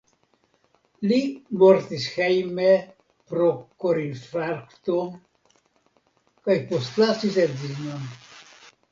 Li mortis hejme pro korinfarkto kaj postlasis edzinon.